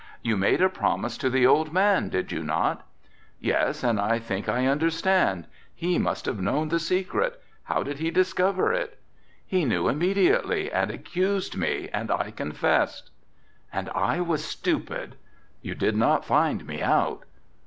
"You made a promise to the old man, did you not?" "Yes, and I think I understand. He must have known the secret. How did he discover it?" "He knew immediately and accused me and I confessed." "And I was a stupid." "You did not find me out."